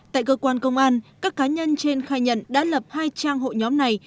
tại cơ quan công an các cá nhân trên khai nhận đã lập hai trang hội nhóm này